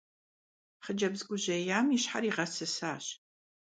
Хъыджэбз гужьеям и щхьэр игъэсысащ.